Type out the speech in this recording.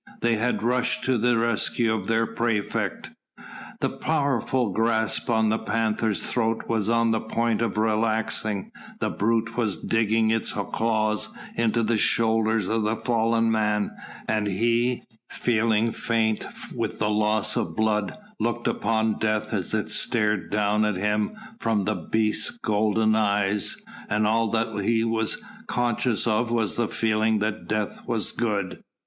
they had rushed to the rescue of their praefect. The powerful grasp on the panther's throat was on the point of relaxing; the brute was digging its claws in the shoulders of the fallen man, and he, feeling faint with loss of blood, looked upon death as it stared down at him from the beast's golden eyes, and all that he was conscious of was the feeling that death was good.